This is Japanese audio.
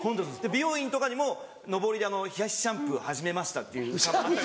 美容院とかにものぼりで「冷やしシャンプー始めました」っていう看板が。